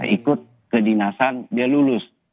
ikut ke dinasan dia lulus